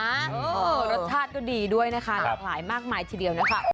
เออรสชาติก็ดีด้วยนะคะหลากหลายมากมายทีเดียวนะคะ